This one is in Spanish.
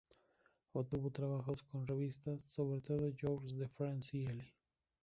Obtuvo trabajos con revistas, sobre todo Jours de France y Elle.